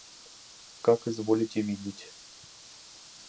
– Как изволите видеть.